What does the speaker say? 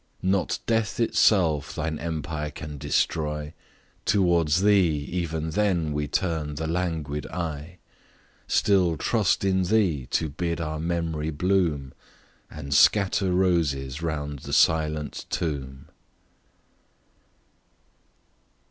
Not death itself thine empire can destroy; Tow'rds thee, even then, we turn the languid eye; Still trust in thee to bid our memory bloom, And scatter roses round the silent tomb.